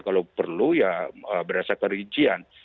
kalau perlu ya berdasarkan rincian